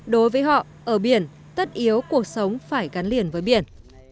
đối với họ ở biển tất yếu cuộc sống phải gắn liền với biển